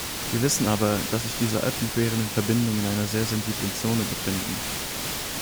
Wir wissen aber, dass sich diese alpenquerenden Verbindungen in einer sehr sensiblen Zone befinden.